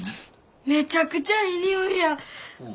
めちゃくちゃええ匂いやん。